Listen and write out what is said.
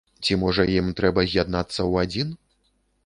Ці, можа, ім трэба з'яднацца ў адзін?